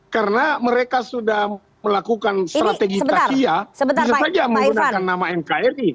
karena mereka sudah melakukan strategi kasiah bisa saja menggunakan nama nkri